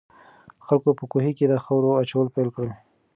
خلکو په کوهي کې د خاورو اچول پیل کړل.